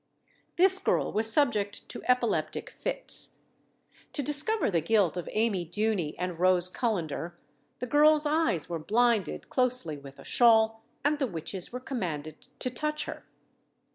This girl was subject to epileptic fits. To discover the guilt of Amy Duny and Rose Cullender, the girl's eyes were blinded closely with a shawl, and the witches were commanded to touch her.